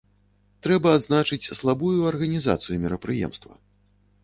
Трэба адзначыць слабую арганізацыю мерапрыемства.